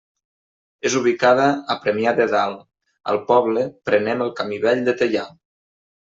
És ubicada a Premià de Dalt: al poble, prenem el Camí Vell de Teià.